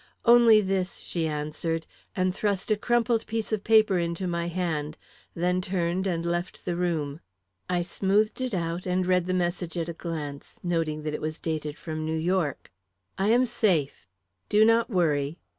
"Only this," she answered, and thrust a crumpled piece of paper into my hand, then turned and left the room. I smoothed it out and read the message at a glance, noting that it was dated from New York: "I am safe. Do not worry.